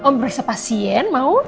mau periksa pasien mau